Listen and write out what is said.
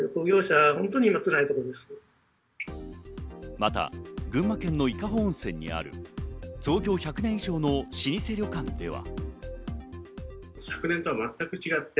また、群馬県の伊香保温泉にある創業１００年以上の老舗旅館では。